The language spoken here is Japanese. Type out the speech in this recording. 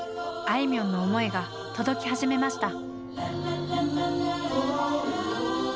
あいみょんの思いが届き始めました。